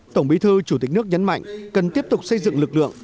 tổng bí thư chủ tịch nước nhấn mạnh cần tiếp tục xây dựng lực lượng